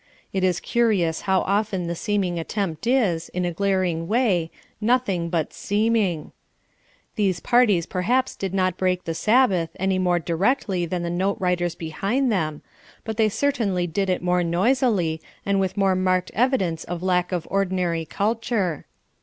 It is curious how often the seeming attempt is, in a glaring way, nothing but seeming. These parties perhaps did not break the Sabbath any more directly than the note writers behind them, but they certainly did it more noisily and with more marked evidence of lack of ordinary culture.